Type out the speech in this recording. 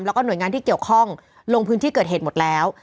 แล้วก็หน่วยงานที่เกี่ยวข้องลงพื้นที่เกิดเหตุหมดแล้ว